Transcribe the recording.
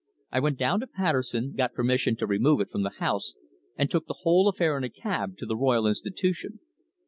I went down to Patterson, got permission to remove it from the house, and took the whole affair in a cab to the Royal Institution."